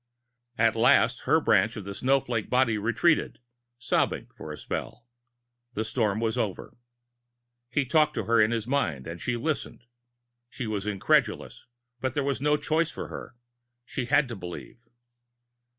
At last her branch of the snowflake body retreated, sobbing for a spell. The storm was over. He talked to her in his mind and she "listened." She was incredulous, but there was no choice for her; she had to believe.